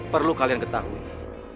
perlu kalian ketahui